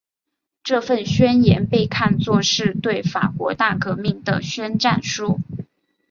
这份宣言被看作是对法国大革命的宣战书。